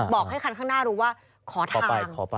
บอกให้คันข้างหน้ารู้ว่าขอทาง